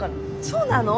そうなの？